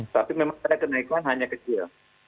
tapi memang ada kenaikan hanya kecil